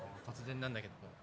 突然なんだけども。